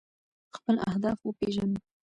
خپل اهداف وپیژنو.